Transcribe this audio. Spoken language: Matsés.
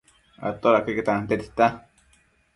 Atoda queque tantia tita